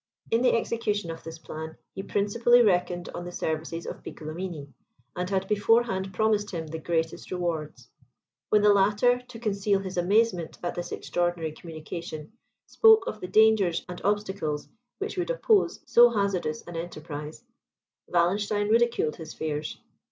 In the execution of this plan, he principally reckoned on the services of Piccolomini, and had beforehand promised him the greatest rewards. When the latter, to conceal his amazement at this extraordinary communication, spoke of the dangers and obstacles which would oppose so hazardous an enterprise, Wallenstein ridiculed his fears.